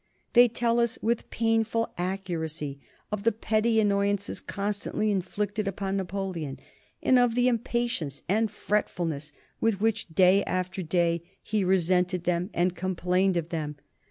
They tell us with painful accuracy of the petty annoyances constantly inflicted upon Napoleon, and of the impatience and fretfulness with which, day after day, he resented them and complained of them.